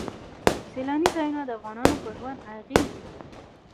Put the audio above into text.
سیلاني ځایونه د افغانانو په ژوند اغېزې لري.